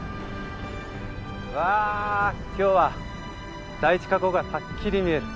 うわ今日は第一火口がはっきり見える。